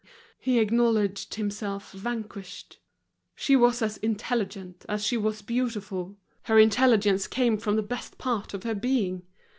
He acknowledged himself vanquished; she was as intelligent as she was beautiful, her intelligence came from the best part of her being.